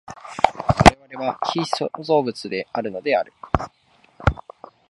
我々は被創造物であるのである。